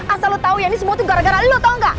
asal lo tau ya ini semua tuh gara gara lo tau ga